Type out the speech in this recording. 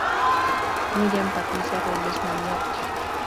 Myriam Patricia Robles Mori, Arq.